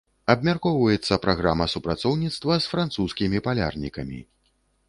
Абмяркоўваецца праграма супрацоўніцтва з французскімі палярнікамі.